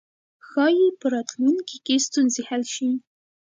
ښايي په راتلونکي کې ستونزې حل شي.